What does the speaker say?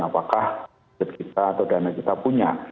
apakah budget kita atau dana kita punya